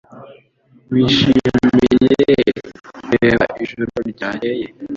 Wishimiye kureba ijoro ryakeye